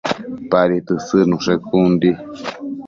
Padi tësëdnushe con di